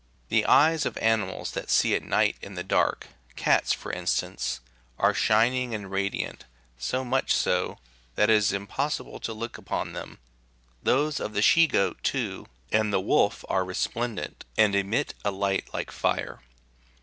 The eyes of animals that see at night in the dark, cats, for instance, are shining and radiant, so much so, "that it is impos sible to look upon them ; those of the she goat, too, and the wolf are resplendent, and emit a light like fire.